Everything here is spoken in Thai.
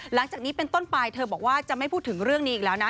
หลังจากนี้เป็นต้นไปเธอบอกว่าจะไม่พูดถึงเรื่องนี้อีกแล้วนะ